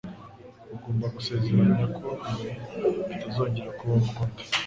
Ugomba gusezeranya ko ibi bitazongera kubaho ukundi.